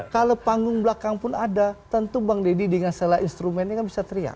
kalau panggung belakang pun ada tentu bang deddy dengan salah instrumennya kan bisa teriak